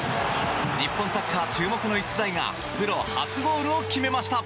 日本サッカー注目の逸材がプロ初ゴールを決めました。